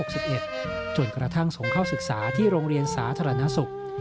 จนกระทั่งส่งเข้าศึกษาที่โรงเรียนสาธารณสุข